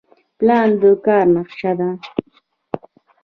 پلان د کار نقشه ده